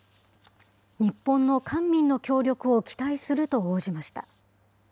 日本の官民の協力を期待すると応じました。